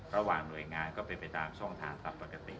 ระหว่างหน่วยงานก็ไปตามช่องฐานสัพปกติ